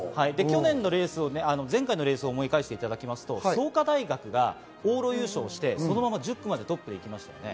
前回のレースを思い返していただきますと創価大学が往路優勝して、このまま１０区までトップで行きましたよね。